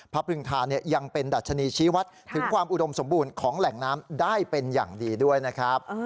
พระพรึงธายังเป็นดัชนีชี้วัดถึงความอุดมสมบูรณ์ของแหล่งน้ำได้เป็นอย่างดีด้วยนะครับ